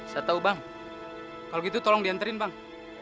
saya tahu bang kalau gitu tolong diantarin bang